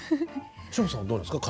志帆さんはどうですか？